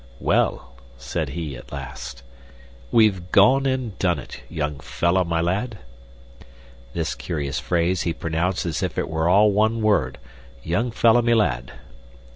"Well," said he, at last, "we've gone and done it, young fellah my lad." (This curious phrase he pronounced as if it were all one word "young fellah me lad.")